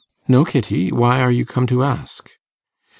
'No, Kitty; why are you come to ask?